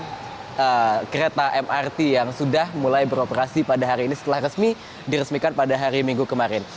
jadi kita akan mencoba menggunakan mrt jakarta yang sudah mulai beroperasi pada hari ini setelah resmi diresmikan pada hari minggu kemarin